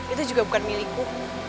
itu juga bukan milikku